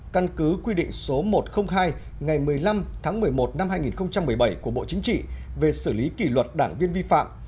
căn cứ quy định số một trăm linh hai ngày một mươi năm tháng một mươi một năm hai nghìn một mươi bảy của bộ chính trị về xử lý kỷ luật đảng viên vi phạm